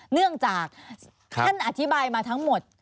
เนื่องจากท่านอธิบายมาทั้งหมด